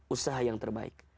usaha yang terbaik